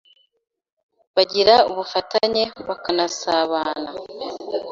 bagira ubufatanye bakanasabana;